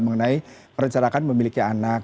mengenai perancarakan memiliki anak